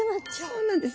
そうなんです。